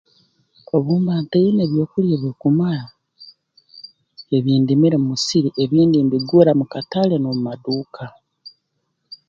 Obu mba ntaine byokulya ebirukumara ebindimire mu musiri ebindi mbigura mu katale n'omu maduuka